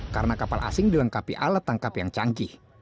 karena kapal asing dilengkapi alat tangkap yang canggih